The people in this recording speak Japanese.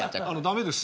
駄目です。